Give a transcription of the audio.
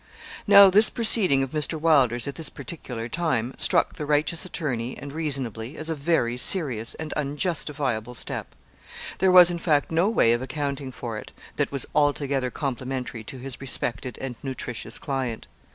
Now this proceeding of Mr. Wylder's, at this particular time, struck the righteous attorney, and reasonably, as a very serious and unjustifiable step. There was, in fact, no way of accounting for it, that was altogether complimentary to his respected and nutritious client.